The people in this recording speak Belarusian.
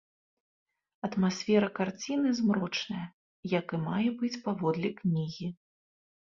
Атмасфера карціны змрочная, як і мае быць паводле кнігі.